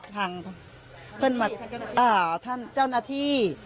ทางเจ้าหน้าที่